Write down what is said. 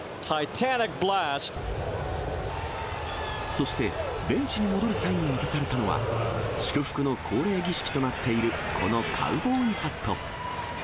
そして、ベンチに戻る際に渡されたのは、祝福の恒例儀式となっている、このカウボーイハット。